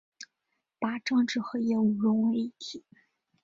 把政治和业务融为一体